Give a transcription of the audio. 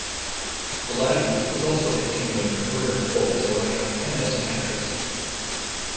Vlady is also continuing her career, both as a writer and as an actress.